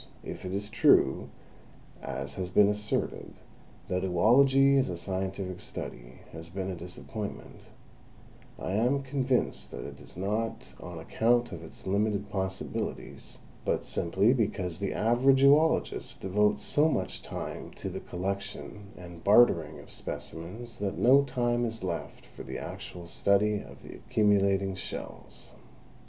If it is true, as has been asserted, that oology as a scientific study has been a disappointment, I am convinced that it is not on account of its limited possibilities, but simply because the average oologist devotes so much time to the collection and bartering of specimens that no time is left for the actual study of the accumulating shells.